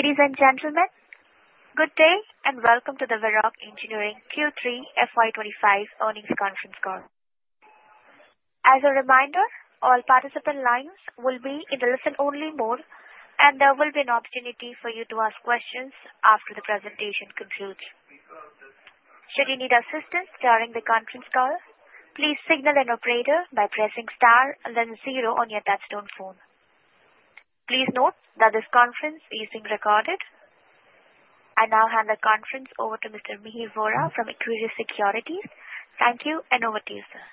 Ladies and gentlemen, good day and welcome to the Varroc Engineering Q3 FY 2025 earnings conference call. As a reminder, all participant lines will be in the listen-only mode, and there will be an opportunity for you to ask questions after the presentation concludes. Should you need assistance during the conference call, please signal an operator by pressing star and then zero on your touch-tone phone. Please note that this conference is being recorded. I now hand the conference over to Mr. Mihir Vora from Equirus Securities. Thank you and over to you, sir.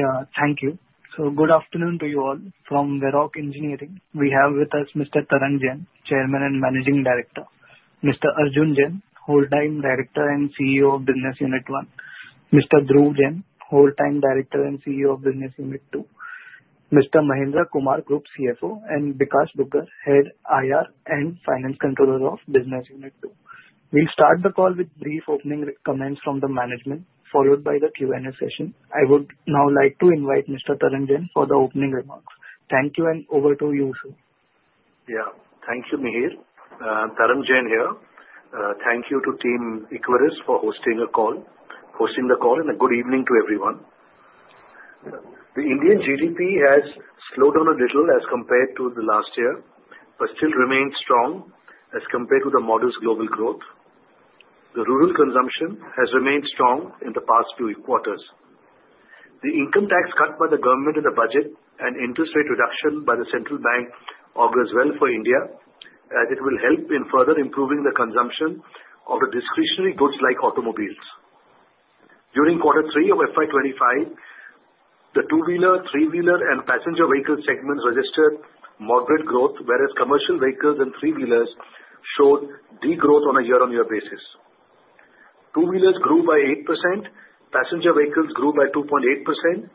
Yeah, thank you. So good afternoon to you all. From Varroc Engineering, we have with us Mr. Tarang Jain, Chairman and Managing Director, Mr. Arjun Jain, Whole Time Director and CEO of Business Unit One, Mr. Dhruv Jain, Whole Time Director and CEO of Business Unit Two, Mr. Mahendra Kumar, Group CFO, and Bikash Dugar, Head, IR and Finance Controller of Business Unit Two. We'll start the call with brief opening remarks from the management, followed by the Q&A session. I would now like to invite Mr. Tarang Jain for the opening remarks. Thank you and over to you, sir. Yeah, thank you, Mihir. Tarang Jain here. Thank you to Team Equirus for hosting the call and a good evening to everyone. The Indian GDP has slowed down a little as compared to the last year, but still remains strong as compared to the world's global growth. The rural consumption has remained strong in the past two quarters. The income tax cut by the government in the budget and interest rate reduction by the central bank augurs well for India, as it will help in further improving the consumption of the discretionary goods like automobiles. During quarter three of FY 2025, the two-wheeler, three-wheeler, and passenger vehicle segments registered moderate growth, whereas commercial vehicles and three-wheelers showed degrowth on a year-on-year basis. Two-wheelers grew by 8%, passenger vehicles grew by 2.8%,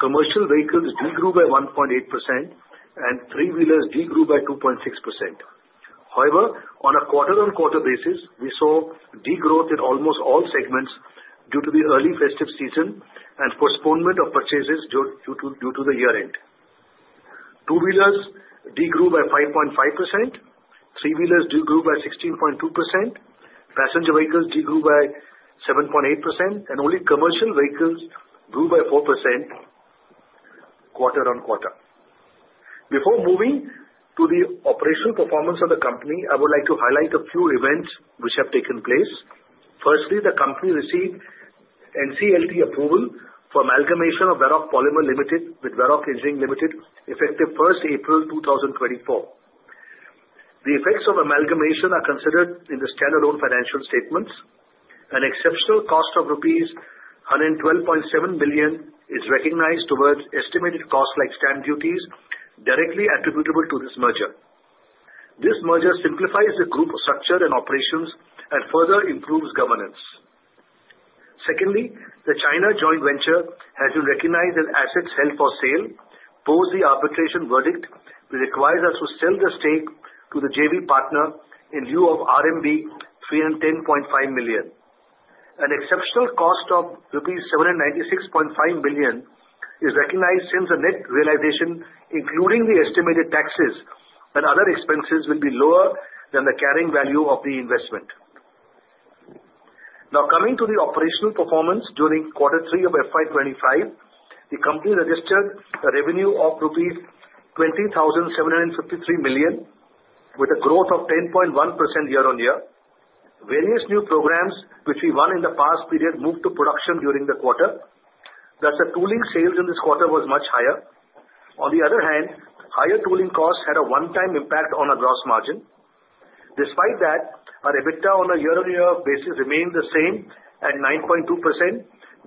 commercial vehicles degrew by 1.8%, and three-wheelers degrew by 2.6%. However, on a quarter-on-quarter basis, we saw degrowth in almost all segments due to the early festive season and postponement of purchases due to the year-end. Two-wheelers degrew by 5.5%, three-wheelers degrew by 16.2%, passenger vehicles degrew by 7.8%, and only commercial vehicles grew by 4% quarter-on-quarter. Before moving to the operational performance of the company, I would like to highlight a few events which have taken place. Firstly, the company received NCLT approval for amalgamation of Varroc Polymer Limited with Varroc Engineering Limited, effective 1st April 2024. The effects of amalgamation are considered in the Standalone Financial Statements. An exceptional cost of rupees 112.7 million is recognized towards estimated costs like stamp duties directly attributable to this merger. This merger simplifies the group structure and operations and further improves governance. Secondly, the China Joint Venture has been recognized as assets held for sale, post the arbitration verdict which requires us to sell the stake to the JV partner in lieu of RMB 310.5 million. An exceptional cost of 796.5 million rupees is recognized since the net realization, including the estimated taxes and other expenses, will be lower than the carrying value of the investment. Now, coming to the operational performance during quarter three of FY 2025, the company registered a revenue of rupees 20,753 million with a growth of 10.1% year-on-year. Various new programs which we won in the past period moved to production during the quarter. Thus, the tooling sales in this quarter was much higher. On the other hand, higher tooling costs had a one-time impact on our gross margin. Despite that, our EBITDA on a year-on-year basis remained the same at 9.2%,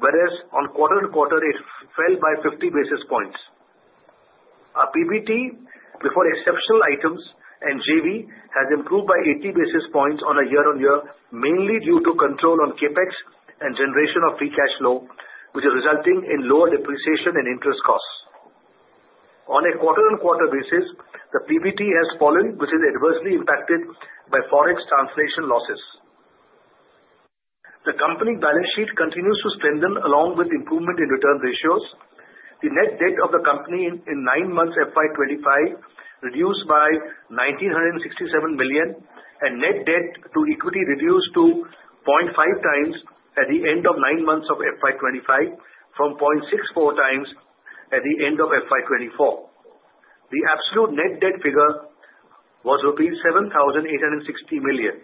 whereas on quarter-on-quarter it fell by 50 basis points. Our PBT before exceptional items and JV has improved by 80 basis points on a year-on-year, mainly due to control on CapEx and generation of free cash flow, which is resulting in lower depreciation and interest costs. On a quarter-on-quarter basis, the PBT has fallen, which is adversely impacted by forex translation losses. The company balance sheet continues to strengthen along with improvement in return ratios. The net debt of the company in nine months of FY 2025 reduced by 1,967 million, and net debt to equity reduced to 0.5 times at the end of nine months of FY 2025 from 0.64 times at the end of FY 2024. The absolute net debt figure was rupees 7,860 million.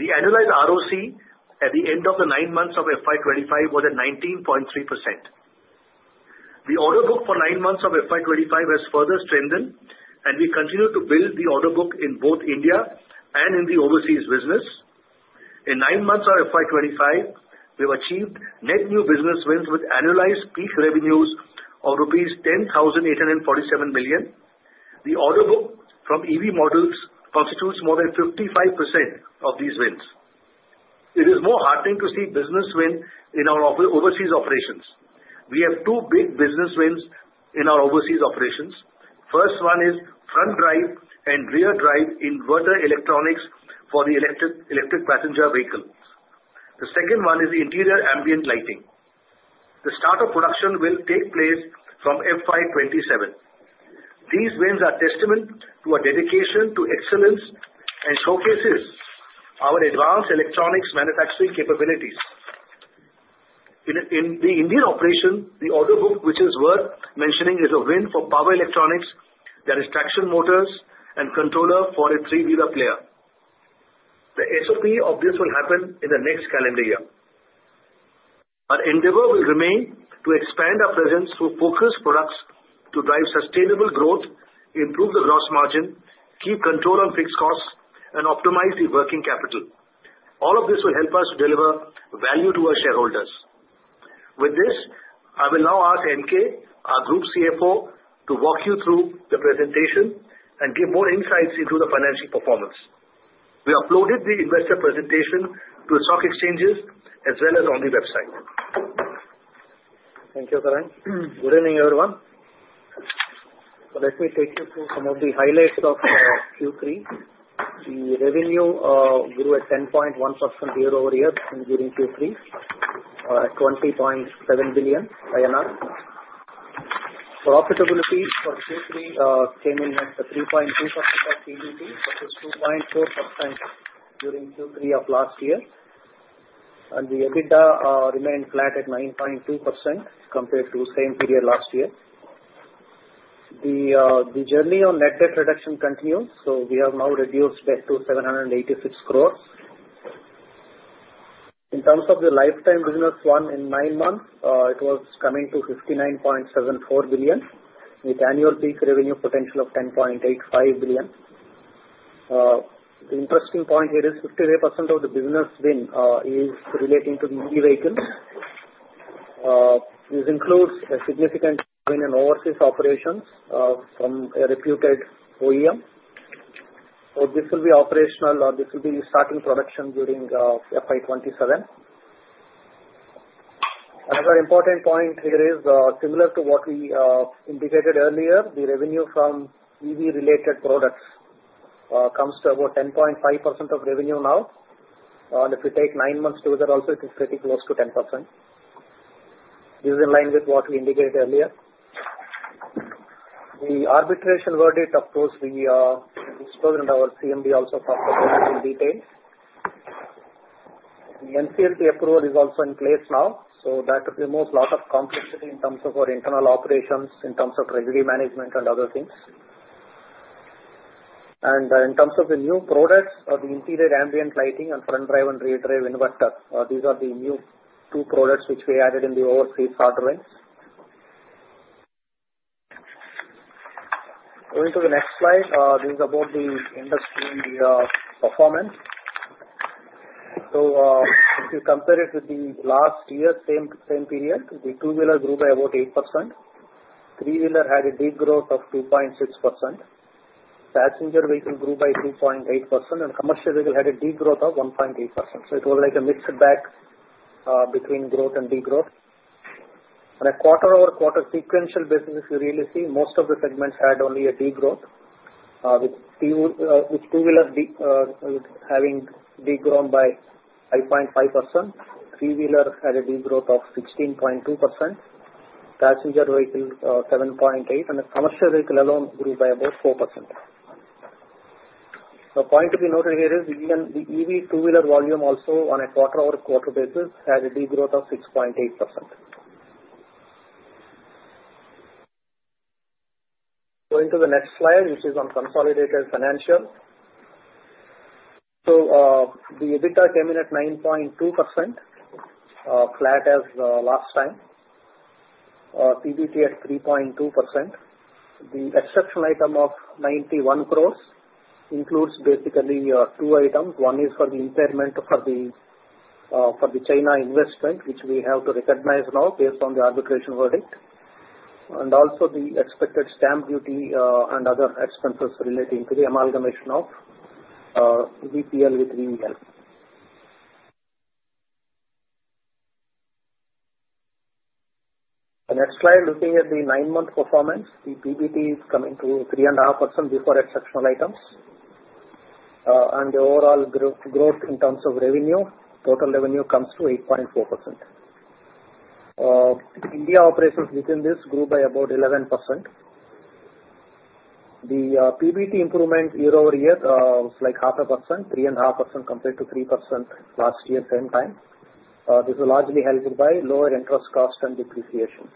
The annualized ROCE at the end of the nine months of FY 2025 was at 19.3%. The order book for nine months of FY 2025 has further strengthened, and we continue to build the order book in both India and in the overseas business. In nine months of FY 2025, we have achieved net new business wins with annualized peak revenues of rupees 10,847 million. The order book from EV models constitutes more than 55% of these wins. It is more heartening to see business win in our overseas operations. We have two big business wins in our overseas operations. First one is front drive and rear drive inverter electronics for the electric passenger vehicle. The second one is interior ambient lighting. The start of production will take place from FY 2027. These wins are a testament to our dedication to excellence and showcases our advanced electronics manufacturing capabilities. In the Indian operation, the order book which is worth mentioning is a win for power electronics, that is traction motors and controller for a three-wheeler player. The SOP of this will happen in the next calendar year. Our endeavor will remain to expand our presence through focused products to drive sustainable growth, improve the gross margin, keep control on fixed costs, and optimize the working capital. All of this will help us to deliver value to our shareholders. With this, I will now ask MK, our Group CFO, to walk you through the presentation and give more insights into the financial performance. We uploaded the investor presentation to the stock exchanges as well as on the website. Thank you, Tarang. Good evening, everyone. Let me take you through some of the highlights of Q3. The revenue grew at 10.1% year-over-year during Q3 at 20.7 billion INR. Profitability for Q3 came in at 3.2% of PBT, which is 2.4% during Q3 of last year, and the EBITDA remained flat at 9.2% compared to the same period last year. The journey on net debt reduction continues, so we have now reduced that to 786 crores. In terms of the lifetime business won in nine months, it was coming to 59.74 billion with annual peak revenue potential of 10.85 billion. The interesting point here is 58% of the business win is relating to the EV vehicles. This includes a significant win in overseas operations from a reputed OEM. So this will be operational, or this will be starting production during FY 2027. Another important point here is, similar to what we indicated earlier, the revenue from EV-related products comes to about 10.5% of revenue now. If we take nine months together, also it is pretty close to 10%. This is in line with what we indicated earlier. The arbitration verdict, of course, we disclosed, and our CMD also talked about in detail. The NCLT approval is also in place now, so that removes a lot of complexity in terms of our internal operations, in terms of treasury management and other things. In terms of the new products of the interior ambient lighting and front drive inverter and rear drive inverter, these are the new two products which we added in the overseas order. Going to the next slide, this is about the industry performance. If you compare it with the last year, same period, the two-wheelers grew by about 8%. Three-wheeler had a degrowth of 2.6%. Passenger vehicle grew by 2.8%, and commercial vehicle had a degrowth of 1.8%, so it was like a mixed bag between growth and degrowth. On a quarter-over-quarter sequential basis, if you really see, most of the segments had only a degrowth, with two-wheelers having degrown by 5.5%, three-wheeler had a degrowth of 16.2%, passenger vehicle 7.8%, and commercial vehicle alone grew by about 4%. The point to be noted here is the EV two-wheeler volume also on a quarter-over-quarter basis had a degrowth of 6.8%. Going to the next slide, which is on consolidated financials, so the EBITDA came in at 9.2%, flat as last time. PBT at 3.2%. The exceptional item of 91 crores includes basically two items. One is for the impairment for the China investment, which we have to recognize now based on the arbitration verdict. And also the expected stamp duty and other expenses relating to the amalgamation of VPL with VEL. The next slide, looking at the nine-month performance, the PBT is coming to 3.5% before exceptional items. The overall growth in terms of revenue, total revenue comes to 8.4%. India operations within this grew by about 11%. The PBT improvement year-over-year was like 0.5%, 3.5% compared to 3% last year same time. This is largely helped by lower interest costs and depreciation.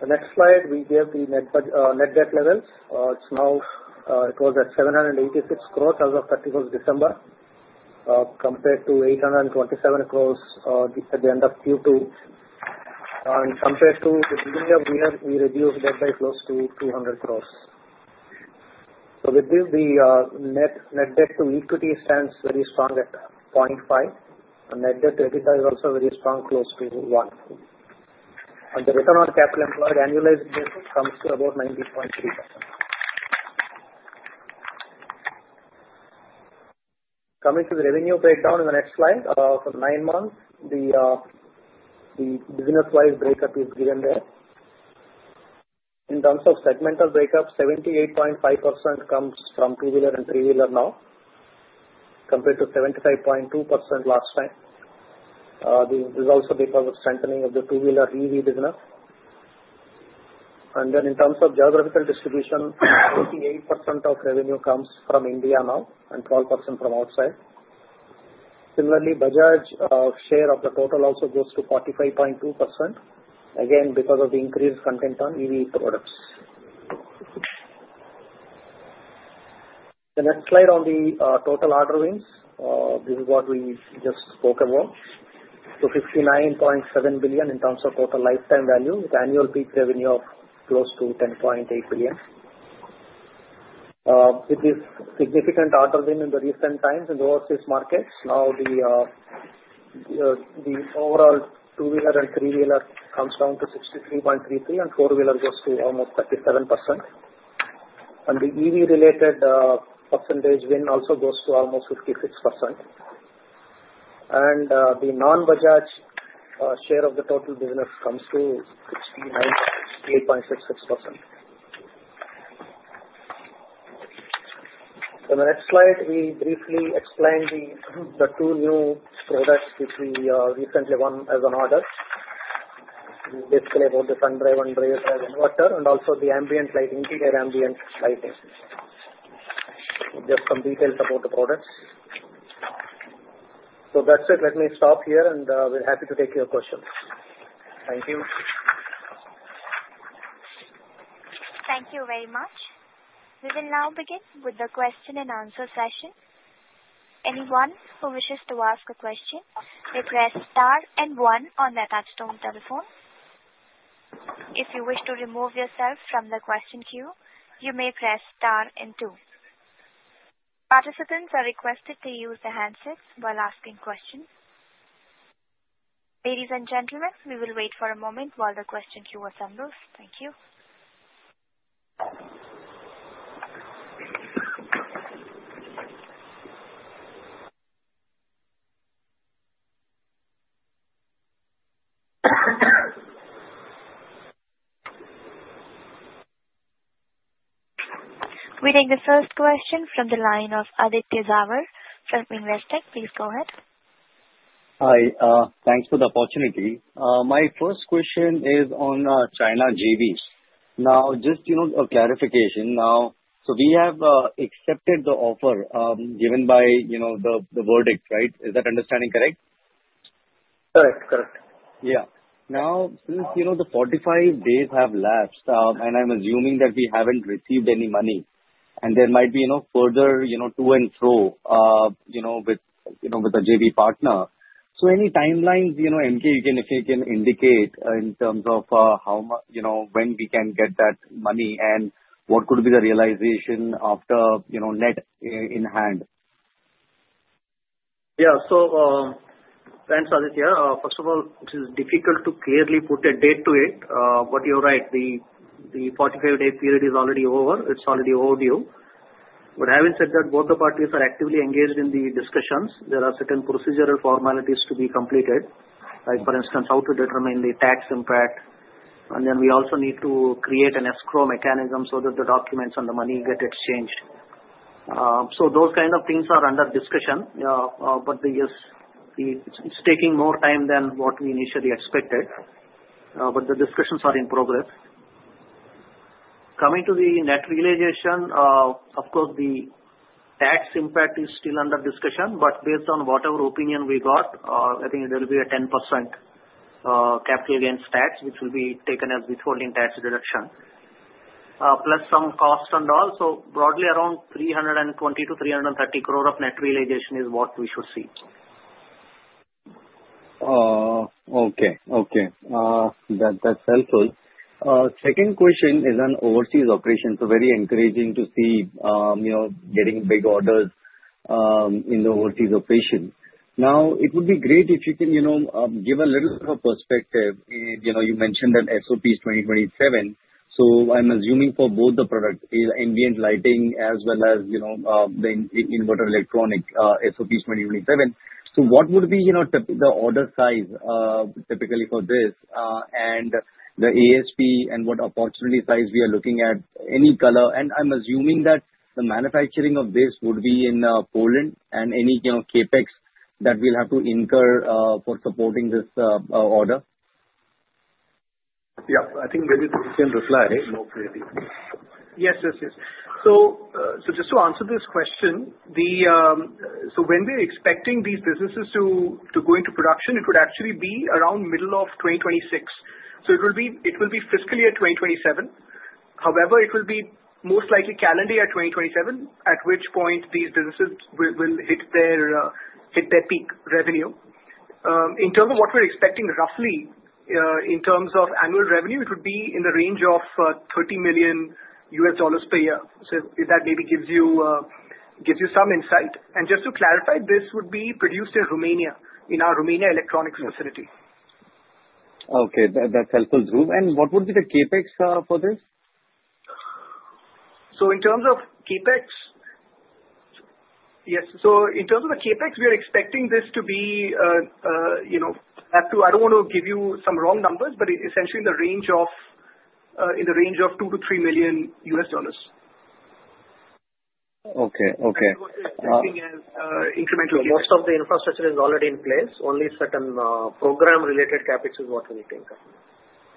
The next slide, we gave the net debt levels. It was at 786 crores as of 31st December compared to 827 crores at the end of Q2. And compared to the beginning of the year, we reduced that by close to 200 crores. So with this, the net debt to equity stands very strong at 0.5. Net debt to EBITDA is also very strong, close to 1. And the return on capital employed annualized comes to about 19.3%. Coming to the revenue breakdown in the next slide, for nine months, the business-wise breakup is given there. In terms of segmental breakup, 78.5% comes from two-wheeler and three-wheeler now compared to 75.2% last time. This is also because of strengthening of the two-wheeler EV business. And then in terms of geographical distribution, 88% of revenue comes from India now and 12% from outside. Similarly, Bajaj's share of the total also goes to 45.2%, again because of the increased content on EV products. The next slide on the total order wins, this is what we just spoke about. So 59.7 billion in terms of total lifetime value with annual peak revenue of close to 10.8 billion. With this significant order win in the recent times in the overseas markets, now the overall two-wheeler and three-wheeler comes down to 63.33%, and four-wheeler goes to almost 37%, and the EV-related percentage win also goes to almost 56%, and the non-Bajaj share of the total business comes to 68.66%. On the next slide, we briefly explain the two new products which we recently won as an order: basically, about the front drive and rear drive inverter, and also the ambient lighting, interior ambient lighting. Just some details about the products. So that's it. Let me stop here, and we're happy to take your questions. Thank you. Thank you very much. We will now begin with the question and answer session. Anyone who wishes to ask a question may press star and one on the touch-tone telephone. If you wish to remove yourself from the question queue, you may press star and two. Participants are requested to use the handsets while asking questions. Ladies and gentlemen, we will wait for a moment while the question queue assembles. Thank you. We take the first question from the line of Aditya Jhawar from Investec. Please go ahead. Hi. Thanks for the opportunity. My first question is on China JVs. Now, just a clarification. So we have accepted the offer given by the verdict, right? Is that understanding correct? Correct. Correct. Yeah. Now, since the 45 days have lapsed, and I'm assuming that we haven't received any money, and there might be further to and fro with a JV partner. So any timelines, MK, if you can indicate in terms of when we can get that money and what could be the realization after net in hand? Yeah. So thanks, Aditya. First of all, it is difficult to clearly put a date to it. But you're right. The 45-day period is already over. It's already overdue. But having said that, both the parties are actively engaged in the discussions. There are certain procedural formalities to be completed, like for instance, how to determine the tax impact. And then we also need to create an escrow mechanism so that the documents and the money get exchanged. So those kinds of things are under discussion. But yes, it's taking more time than what we initially expected. But the discussions are in progress. Coming to the net realization, of course, the tax impact is still under discussion. But based on whatever opinion we got, I think there will be a 10% capital gains tax, which will be taken as withholding tax deduction, plus some costs and all. Broadly, around 320 crore-330 crore of net realization is what we should see. Okay. Okay. That's helpful. Second question is on overseas operations. So very encouraging to see getting big orders in the overseas operations. Now, it would be great if you can give a little bit of perspective. You mentioned that SOP is 2027. So I'm assuming for both the product, ambient lighting as well as the inverter electronics, SOP is 2027. So what would be the order size typically for this? And the ASP and what opportunity size we are looking at? Any color? And I'm assuming that the manufacturing of this would be in Poland and any CapEx that we'll have to incur for supporting this order? Yeah. I think maybe you can reply, no? Yes. Yes. Yes. So just to answer this question, so when we're expecting these businesses to go into production, it would actually be around middle of 2026. So it will be fiscal year 2027. However, it will be most likely calendar year 2027, at which point these businesses will hit their peak revenue. In terms of what we're expecting roughly in terms of annual revenue, it would be in the range of $30 million per year. So that maybe gives you some insight. And just to clarify, this would be produced in Romania, in our Romania electronics facility. Okay. That's helpful, Dhruv, and what would be the CapEx for this? So in terms of CapEx, yes. So in terms of the CapEx, we are expecting this to be up to, I don't want to give you some wrong numbers, but essentially in the range of $2 million-$3 million. Okay. Okay. And we're hoping as incremental. Most of the infrastructure is already in place. Only certain program-related CapEx is what we need to incur.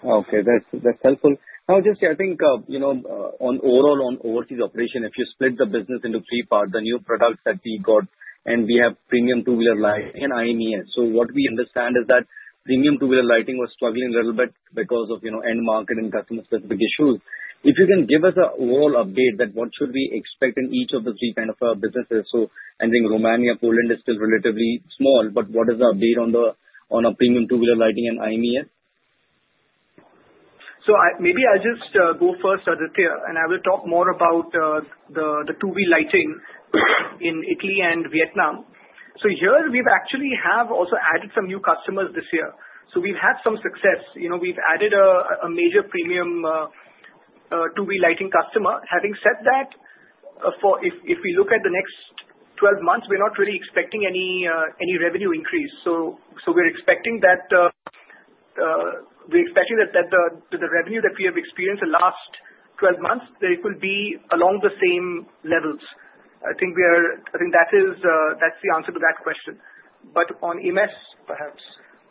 Okay. That's helpful. Now, just, I think, overall on overseas operation, if you split the business into three parts, the new products that we got, and we have premium two-wheeler lighting and IMES. So what we understand is that premium two-wheeler lighting was struggling a little bit because of end market and customer-specific issues. If you can give us an overall update that what should we expect in each of the three kinds of businesses? So I think Romania-Poland is still relatively small, but what is the update on premium two-wheeler lighting and IMES? So maybe I'll just go first, Aditya, and I will talk more about the two-wheeler lighting in Italy and Vietnam. So here, we actually have also added some new customers this year. So we've had some success. We've added a major premium two-wheeler lighting customer. Having said that, if we look at the next 12 months, we're not really expecting any revenue increase. So we're expecting that the revenue that we have experienced the last 12 months, it will be along the same levels. I think that's the answer to that question, but on EMS, perhaps.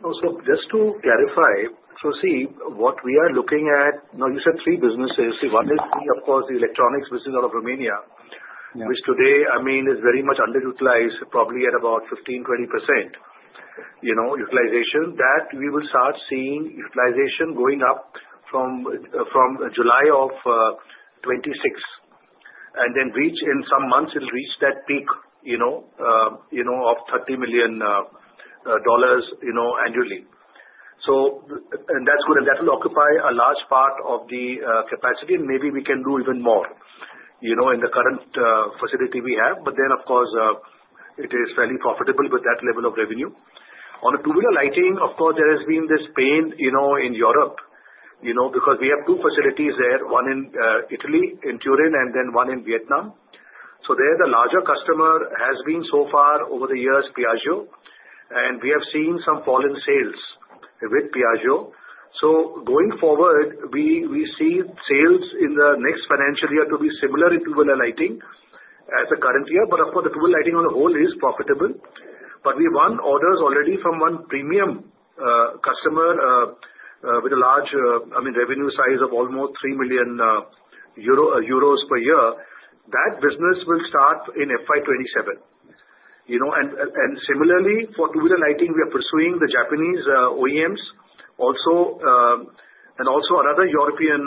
So, just to clarify, so see, what we are looking at. Now you said three businesses. See, one is, of course, the electronics business out of Romania, which today, I mean, is very much underutilized, probably at about 15%-20% utilization. That we will start seeing utilization going up from July of 2026, and then in some months, it will reach that peak of $30 million annually, and that's good. And that will occupy a large part of the capacity, and maybe we can do even more in the current facility we have, but then, of course, it is fairly profitable with that level of revenue. On the two-wheeler lighting, of course, there has been this pain in Europe because we have two facilities there, one in Italy, in Turin, and then one in Vietnam. So there, the larger customer has been so far over the years, Piaggio. We have seen some fall in sales with Piaggio. Going forward, we see sales in the next financial year to be similar in two-wheeler lighting as the current year. Of course, the two-wheel lighting on the whole is profitable. We won orders already from one premium customer with a large, I mean, revenue size of almost 3 million euro per year. That business will start in FY 2027. Similarly, for two-wheeler lighting, we are pursuing the Japanese OEMs and also another European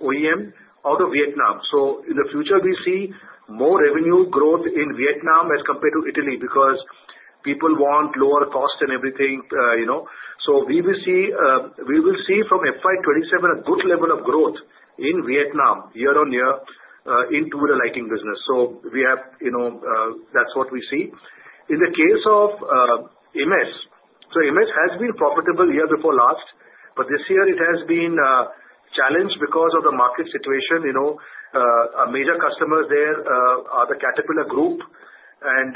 OEM out of Vietnam. In the future, we see more revenue growth in Vietnam as compared to Italy because people want lower cost and everything. We will see from FY 2027 a good level of growth in Vietnam year on year in two-wheeler lighting business. We have. That's what we see. In the case of IMES, so IMES has been profitable year before last. But this year, it has been challenged because of the market situation. Our major customers there are the Caterpillar Group and,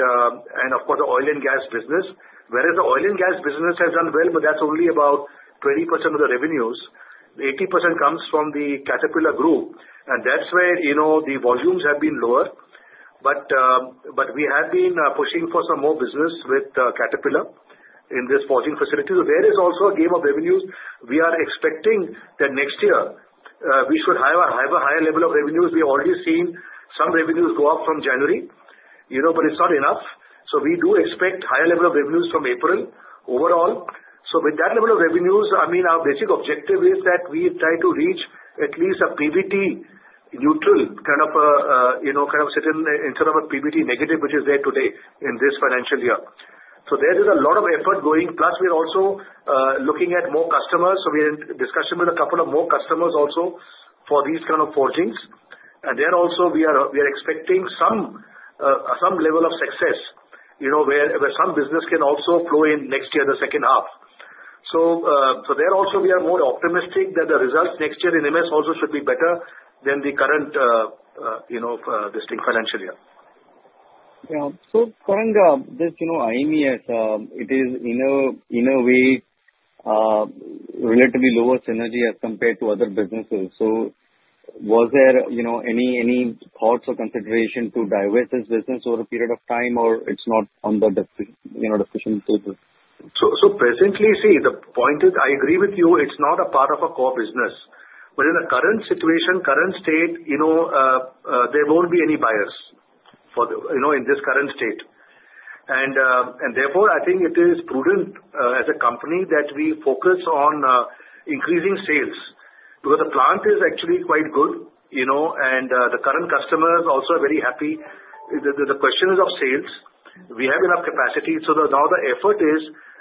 of course, the oil and gas business. Whereas the oil and gas business has done well, but that's only about 20% of the revenues. 80% comes from the Caterpillar Group. And that's where the volumes have been lower. But we have been pushing for some more business with Caterpillar in this forging facility. So there is also a gain of revenues. We are expecting that next year, we should have a higher level of revenues. We already seen some revenues go up from January. But it's not enough. So we do expect higher level of revenues from April overall. So with that level of revenues, I mean, our basic objective is that we try to reach at least a PBT neutral kind of certain instead of a PBT negative, which is there today in this financial year. So there is a lot of effort going. Plus, we're also looking at more customers. So we're in discussion with a couple of more customers also for these kind of forgings. And there also, we are expecting some level of success where some business can also flow in next year, the second half. So there also, we are more optimistic that the results next year in IMES also should be better than the current financial year. Yeah. So currently, this IMES, it is in a way relatively lower synergy as compared to other businesses. So was there any thoughts or consideration to divest this business over a period of time, or it's not on the decision table?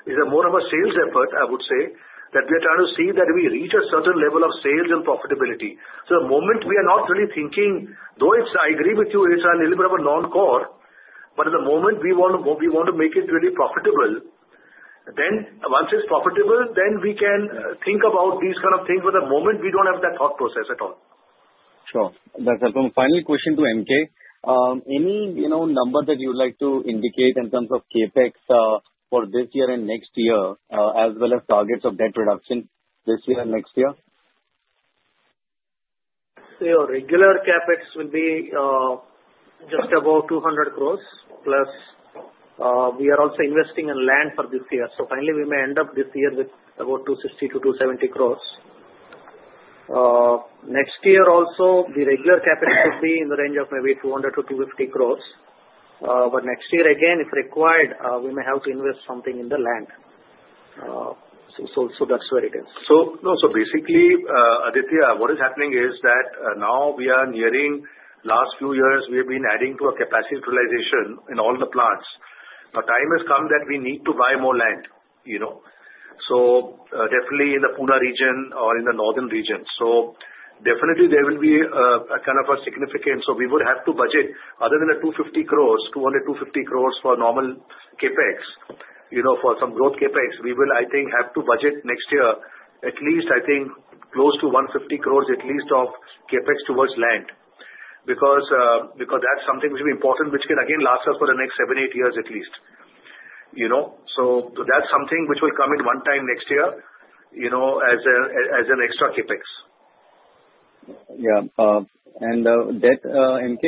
So, at the moment, we are not really thinking, though I agree with you, it's a little bit of a non-core, but at the moment, we want to make it really profitable. Then once it's profitable, then we can think about these kind of things. But at the moment, we don't have that thought process at all. Sure. That's helpful. Final question to MK. Any number that you would like to indicate in terms of CapEx for this year and next year, as well as targets of debt reduction this year and next year? So your regular CapEx will be just about 200 crores plus. We are also investing in land for this year. So finally, we may end up this year with about 260 crores-270 crores. Next year also, the regular CapEx could be in the range of maybe 200 crores-250 crores. But next year, again, if required, we may have to invest something in the land. So that's where it is. So basically, Aditya, what is happening is that now we are nearing last few years, we have been adding to our capacity utilization in all the plants. The time has come that we need to buy more land. So definitely in the Pune region or in the northern region. So definitely, there will be kind of a significance. So we would have to budget. Other than the 250 crores, 200 crores-250 crores for normal CapEx, for some growth CapEx, we will, I think, have to budget next year at least, I think, close to 150 crores at least of CapEx towards land because that's something which will be important, which can, again, last us for the next seven, eight years at least. So that's something which will come in one time next year as an extra CapEx. Yeah. And debt, MK?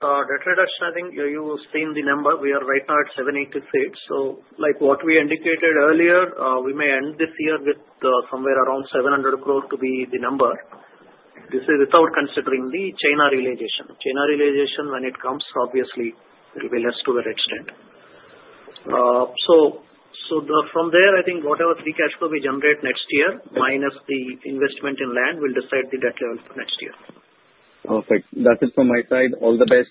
Debt reduction, I think you've seen the number. We are right now at 7,868. So like what we indicated earlier, we may end this year with somewhere around 700 crores to be the number. This is without considering the China realization. China realization, when it comes, obviously, it will be less to an extent. So from there, I think whatever free cash flow we generate next year, minus the investment in land, will decide the debt level for next year. Perfect. That's it from my side. All the best.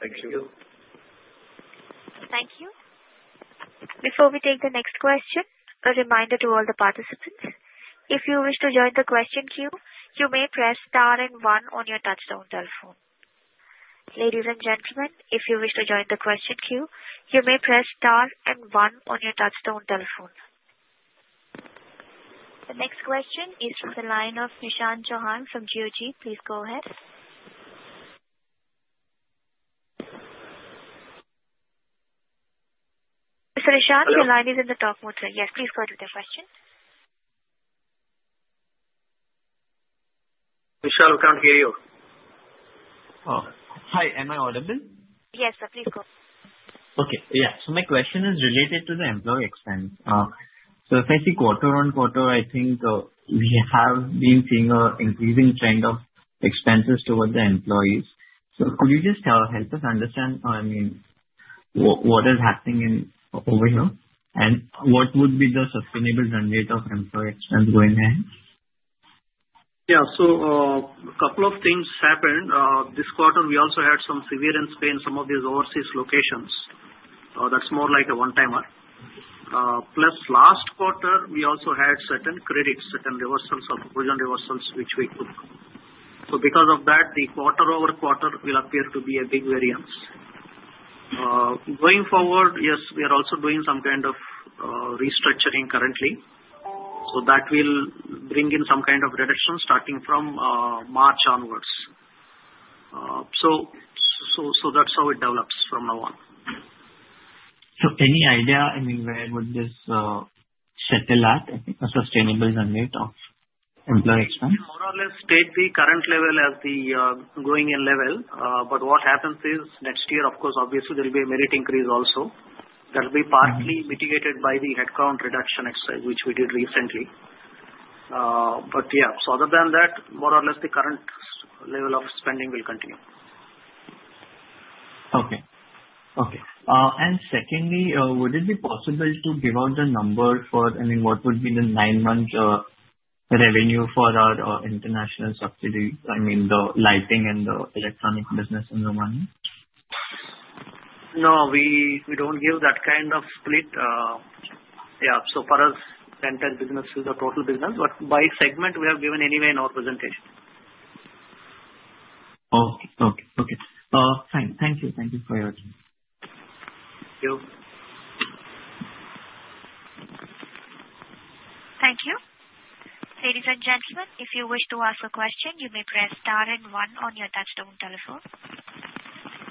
Thank you. Thank you. Thank you. Before we take the next question, a reminder to all the participants. If you wish to join the question queue, you may press star and one on your touch-tone telephone. Ladies and gentlemen, if you wish to join the question queue, you may press star and one on your touch-tone telephone. The next question is from the line of Nishant Chauhan from Kotak. Please go ahead. Mr. Nishant, your line is in the talk mode today. Yes, please go ahead with your question. Nishant, we can't hear you. Hi. Am I audible? Yes, sir. Please go ahead. Okay. Yeah. So my question is related to the employee expense. So if I see quarter on quarter, I think we have been seeing an increasing trend of expenses towards the employees. So could you just help us understand, I mean, what is happening over here and what would be the sustainable mandate of employee expense going ahead? Yeah. So a couple of things happened. This quarter, we also had some severe severance pay in some of these overseas locations. That's more like a one-timer. Plus, last quarter, we also had certain credits, certain reversals, provisional reversals, which we took. So because of that, the quarter over quarter will appear to be a big variance. Going forward, yes, we are also doing some kind of restructuring currently. So that will bring in some kind of reduction starting from March onwards. So that's how it develops from now on. Any idea, I mean, where would this settle at a sustainable midpoint of employee expense? More or less, stay at the current level as the going in level, but what happens is next year, of course, obviously, there will be a merit increase also. That will be partly mitigated by the headcount reduction exercise, which we did recently. But yeah, so other than that, more or less, the current level of spending will continue. Okay. And secondly, would it be possible to give out the number for, I mean, what would be the nine-month revenue for our international subsidiaries, I mean, the lighting and the electronics business in Romania? No, we don't give that kind of split. Yeah. So for us, rental business is a total business. But by segment, we have given anyway in our presentation. Okay. Thank you for your time. Thank you. Thank you. Ladies and gentlemen, if you wish to ask a question, you may press star and one on your touch-tone telephone.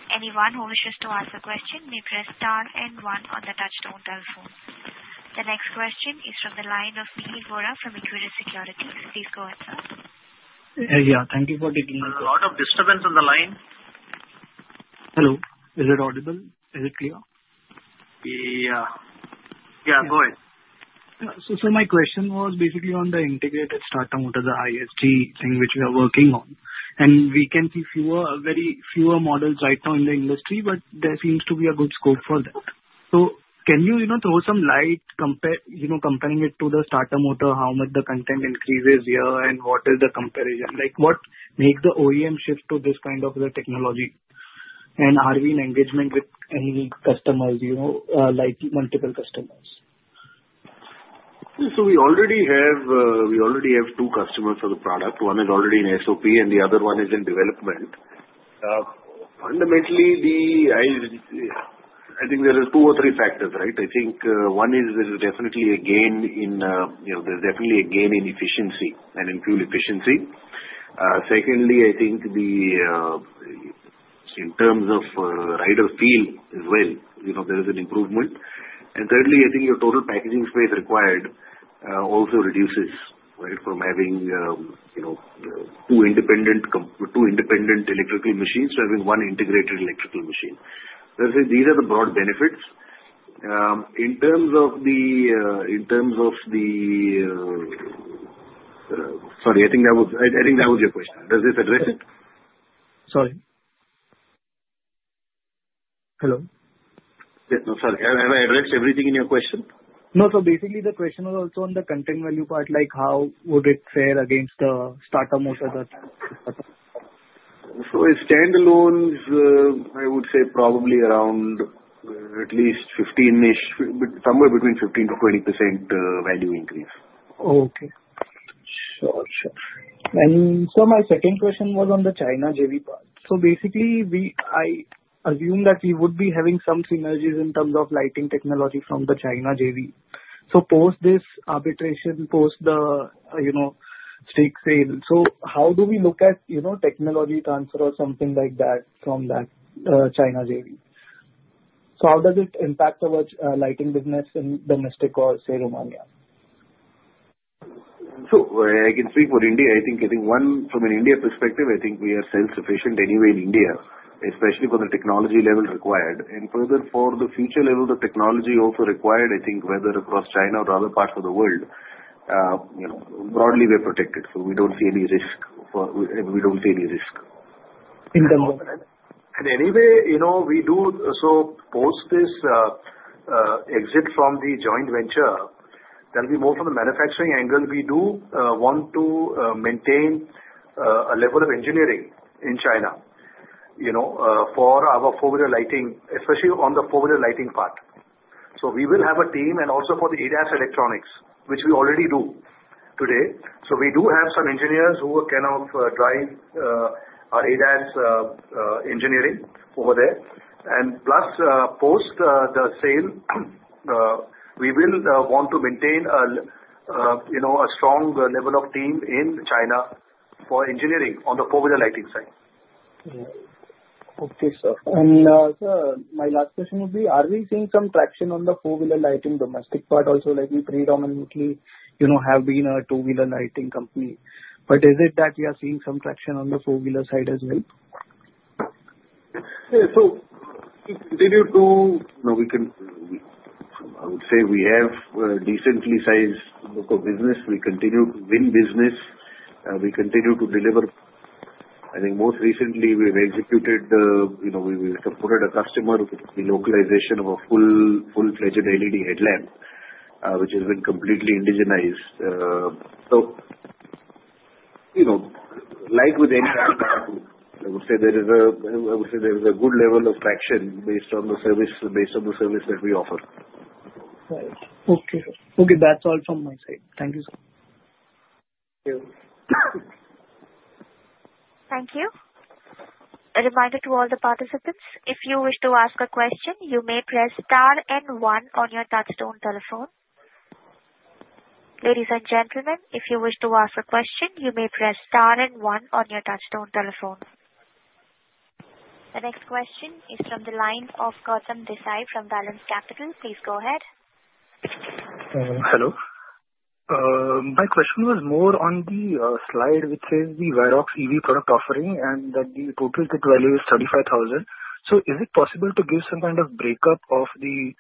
Anyone who wishes to ask a question may press star and one on the touch-tone telephone. The next question is from the line of Mihir Vora from Equirus Securities. Please go ahead. Yeah. Thank you for taking the time. A lot of disturbance on the line. Hello. Is it audible? Is it clear? Yeah. Yeah. Go ahead. So my question was basically on the integrated starter motors, the ISG thing, which we are working on. And we can see fewer models right now in the industry, but there seems to be a good scope for that. So can you throw some light comparing it to the starter motor, how much the content increases here, and what is the comparison? What makes the OEM shift to this kind of technology and our engagement with any customers, multiple customers? So we already have two customers for the product. One is already in SOP, and the other one is in development. Fundamentally, I think there are two or three factors, right? I think one is there is definitely a gain in efficiency and in fuel efficiency. Secondly, I think in terms of rider feel as well, there is an improvement. And thirdly, I think your total packaging space required also reduces, right, from having two independent electrical machines to having one integrated electrical machine. These are the broad benefits. In terms of the, sorry, I think that was your question. Does this address it? Sorry. Hello. Yeah. No, sorry. Have I addressed everything in your question? No, sir. Basically, the question was also on the content value part, like how would it fare against the starter motor? Standalone, I would say probably around at least 15-ish, somewhere between 15%-20% value increase. Oh, okay. Sure. Sure, and so my second question was on the China JV part, so basically, I assume that we would be having some synergies in terms of lighting technology from the China JV, so post this arbitration, post the stake sale, so how do we look at technology transfer or something like that from that China JV, so how does it impact our lighting business in domestic or, say, Romania? So I can speak for India. I think, I think one from an India perspective, I think we are self-sufficient anyway in India, especially for the technology level required. And further, for the future level of technology also required, I think whether across China or other parts of the world, broadly, we are protected. So we don't see any risk for, we don't see any risk. In terms of? Anyway, we do so post this exit from the joint venture. There'll be more from the manufacturing angle. We do want to maintain a level of engineering in China for our two-wheeler lighting, especially on the two-wheeler lighting part. We will have a team and also for the ADAS electronics, which we already do today. We do have some engineers who can drive our ADAS engineering over there. Plus, post the sale, we will want to maintain a strong level of team in China for engineering on the two-wheeler lighting side. Yeah. Okay, sir. And sir, my last question would be, are we seeing some traction on the four-wheeler lighting domestic part? Also, we predominantly have been a two-wheeler lighting company. But is it that we are seeing some traction on the four-wheeler side as well? Yeah. I would say we have a decently sized local business. We continue to win business. We continue to deliver. I think most recently, we have executed. We supported a customer with the localization of a full-fledged LED headlamp, which has been completely indigenized. So like with any other market, I would say there is a good level of traction based on the service that we offer. Right. Okay. Okay. That's all from my side. Thank you, sir. Thank you. Thank you. A reminder to all the participants. If you wish to ask a question, you may press star and one on your touch-tone telephone. Ladies and gentlemen, if you wish to ask a question, you may press star and one on your touch-tone telephone. The next question is from the line of Gautam Desai from Valens Capital. Please go ahead. Hello. My question was more on the slide, which is the Varroc EV product offering and that the total kit value is 35,000. So is it possible to give some kind of breakup of the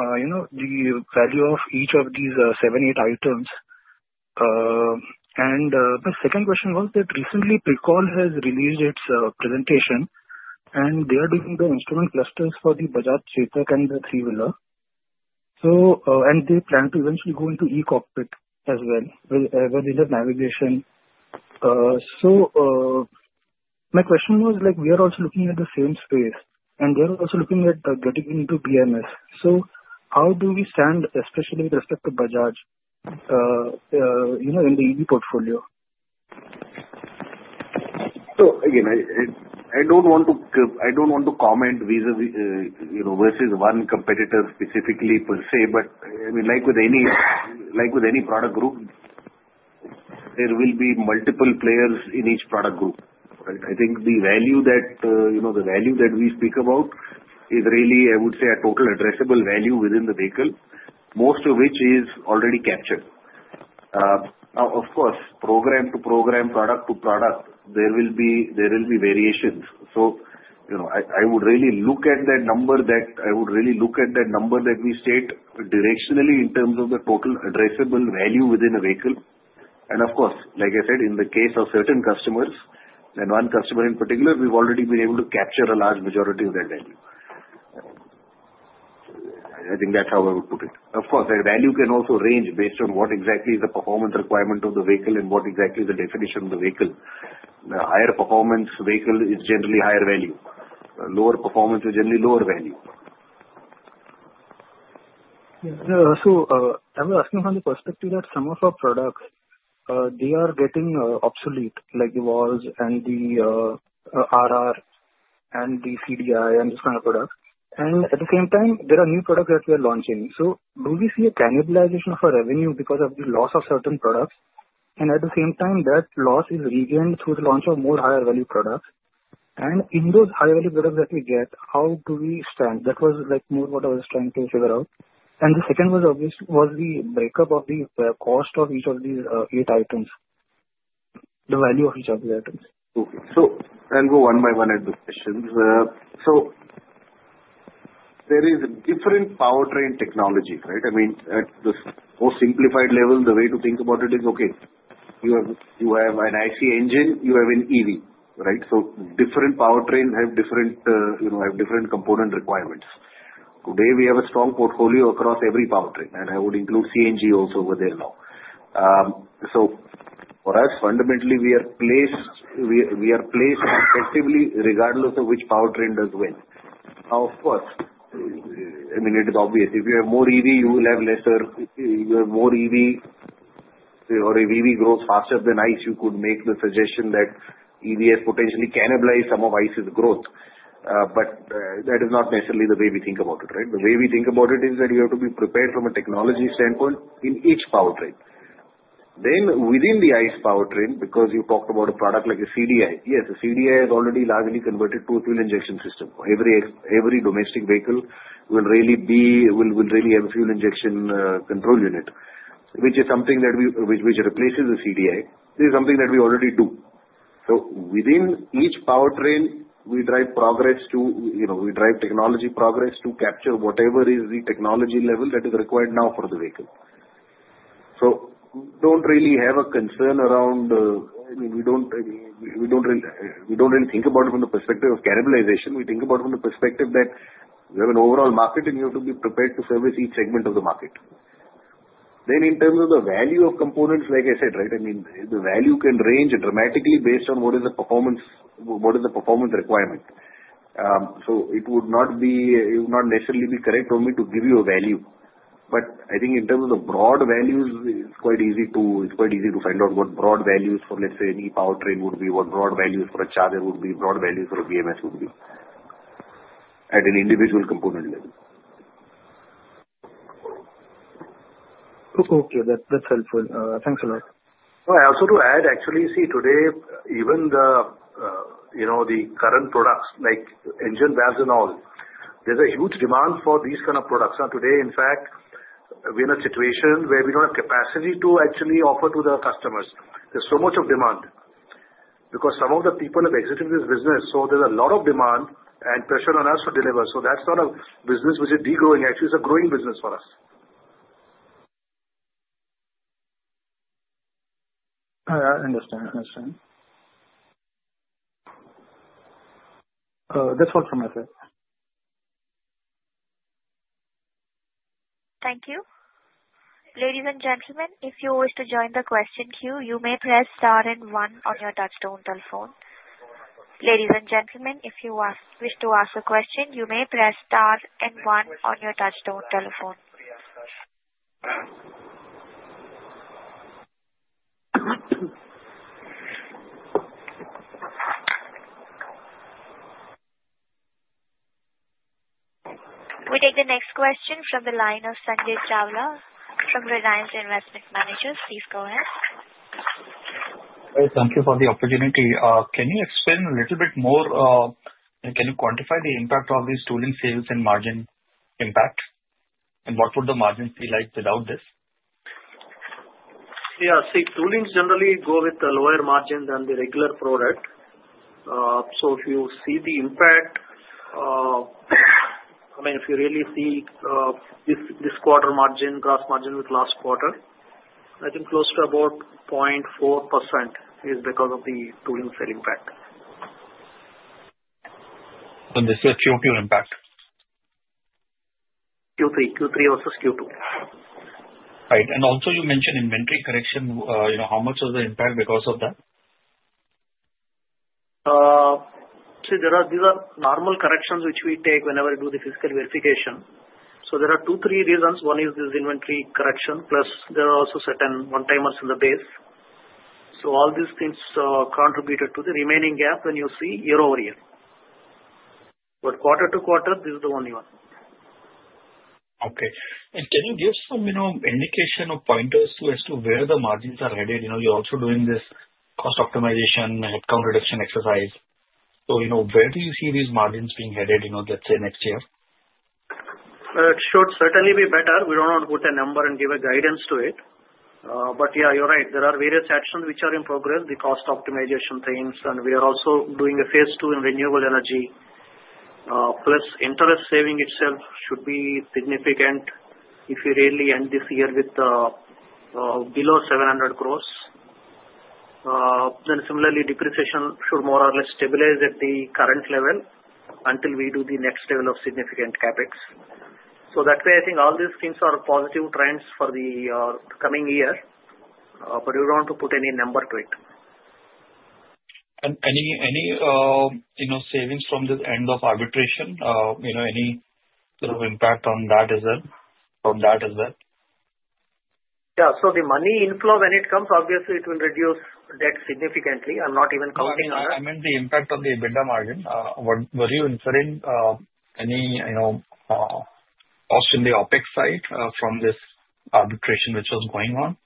value of each of these seven, eight items? And my second question was that recently, Pricol has released its presentation, and they are doing the instrument clusters for the Bajaj Chetak and the three-wheeler. And they plan to eventually go into e-cockpit as well with the navigation. So my question was, we are also looking at the same space, and they are also looking at getting into BMS. So how do we stand, especially with respect to Bajaj in the EV portfolio? So again, I don't want to comment versus one competitor specifically per se, but I mean, like with any product group, there will be multiple players in each product group, right? I think the value that we speak about is really, I would say, a total addressable value within the vehicle, most of which is already captured. Now, of course, program to program, product to product, there will be variations. So I would really look at that number that we state directionally in terms of the total addressable value within a vehicle. And of course, like I said, in the case of certain customers and one customer in particular, we've already been able to capture a large majority of that value. I think that's how I would put it. Of course, that value can also range based on what exactly is the performance requirement of the vehicle and what exactly is the definition of the vehicle. The higher performance vehicle is generally higher value. Lower performance is generally lower value. Yeah. So I was asking from the perspective that some of our products, they are getting obsolete, like the valves and the RR and the CDI and this kind of product. And at the same time, there are new products that we are launching. So do we see a cannibalization of our revenue because of the loss of certain products? And at the same time, that loss is regained through the launch of more higher value products. And in those higher value products that we get, how do we stand? That was more what I was trying to figure out. And the second was the breakup of the cost of each of these eight items, the value of each of the items. Okay. So I'll go one by one at the questions. So there is a different powertrain technology, right? I mean, at the most simplified level, the way to think about it is, okay, you have an ICE engine, you have an EV, right? So different powertrains have different component requirements. Today, we have a strong portfolio across every powertrain, and I would include CNG also over there now. So for us, fundamentally, we are placed effectively regardless of which powertrain does what. Now, of course, I mean, it is obvious. If you have more EV, you will have lesser, you have more EV or if EV grows faster than ICE, you could make the suggestion that EVs potentially cannibalize some of ICE's growth. But that is not necessarily the way we think about it, right? The way we think about it is that you have to be prepared from a technology standpoint in each powertrain, then within the ICE powertrain, because you talked about a product like a CDI, yes, the CDI has already largely converted to a fuel injection system. Every domestic vehicle will really have a fuel injection control unit, which is something that replaces the CDI. This is something that we already do, so within each powertrain, we drive technology progress to capture whatever is the technology level that is required now for the vehicle, so don't really have a concern around, I mean, we don't really think about it from the perspective of cannibalization. We think about it from the perspective that we have an overall market, and you have to be prepared to service each segment of the market. Then in terms of the value of components, like I said, right, I mean, the value can range dramatically based on what is the performance requirement. So it would not necessarily be correct for me to give you a value. But I think in terms of the broad values, it's quite easy to find out what broad values for, let's say, any powertrain would be, what broad values for a charger would be, broad values for a BMS would be at an individual component level. Okay. That's helpful. Thanks a lot. So I also do add, actually, see, today, even the current products like engine valves and all, there's a huge demand for these kind of products. Today, in fact, we're in a situation where we don't have capacity to actually offer to the customers. There's so much of demand because some of the people have exited this business. So there's a lot of demand and pressure on us to deliver. So that's not a business which is degrowing. Actually, it's a growing business for us. I understand. I understand. That's all from my side. Thank you. Ladies and gentlemen, if you wish to join the question queue, you may press star and one on your touch-tone telephone. Ladies and gentlemen, if you wish to ask a question, you may press star and one on your touch-tone telephone. We take the next question from the line of Sanjay Chawla from Renaissance Investment Managers. Please go ahead. Thank you for the opportunity. Can you explain a little bit more? Can you quantify the impact of these tooling sales and margin impact? And what would the margin be like without this? Yeah. See, tooling generally go with a lower margin than the regular product. So if you see the impact, I mean, if you really see this quarter margin, gross margin with last quarter, I think close to about 0.4% is because of the tooling sale impact. This is a Q2 impact? Q3 versus Q2. Right. And also, you mentioned inventory correction. How much was the impact because of that? See, these are normal corrections which we take whenever we do the fiscal verification. So there are two, three reasons. One is this inventory correction, plus there are also certain one-timers in the base. So all these things contributed to the remaining gap when you see year over year. But quarter to quarter, this is the only one. Okay. And can you give some indication or pointers as to where the margins are headed? You're also doing this cost optimization, headcount reduction exercise. So where do you see these margins being headed, let's say, next year? It should certainly be better. We don't want to put a number and give a guidance to it. But yeah, you're right. There are various actions which are in progress, the cost optimization things. And we are also doing a phase two in renewable energy. Plus, interest saving itself should be significant if we really end this year with below 700 crores. Then similarly, depreciation should more or less stabilize at the current level until we do the next level of significant CapEx. So that way, I think all these things are positive trends for the coming year. But we don't want to put any number to it. Any savings from the end of arbitration? Any sort of impact on that as well? Yeah. So the money inflow, when it comes, obviously, it will reduce debt significantly. I'm not even counting on it. I meant, the impact on the EBITDA margin. Were you incurring any cost in the OpEx side from this arbitration which was going on?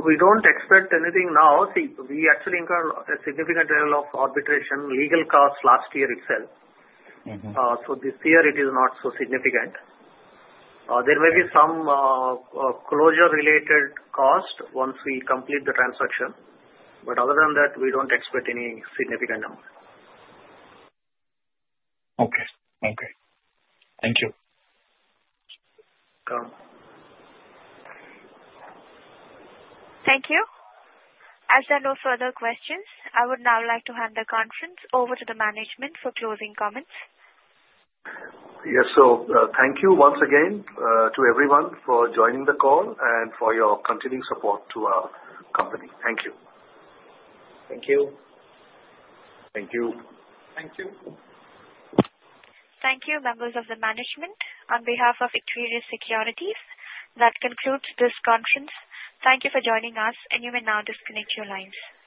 We don't expect anything now. See, we actually incur a significant level of arbitration, legal costs last year itself. So this year, it is not so significant. There may be some closure-related cost once we complete the transaction. But other than that, we don't expect any significant number. Okay. Okay. Thank you. Thank you. As there are no further questions, I would now like to hand the conference over to the management for closing comments. Yes, so thank you once again to everyone for joining the call and for your continuing support to our company. Thank you. Thank you. Thank you. Thank you. Thank you, members of the management. On behalf of Equirus Securities, that concludes this conference. Thank you for joining us, and you may now disconnect your lines.